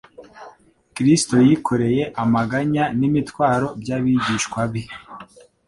Kristo yikoreye amaganya n'imitwaro by'abigishwa be.